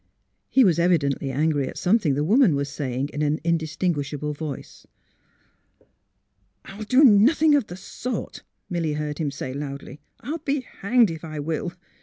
He was evidently angry at something the woman was saying in an indistinguishable voice. I'll do nothing of the sort! " Milly heard him say loudly. *' I '11 be hanged if I will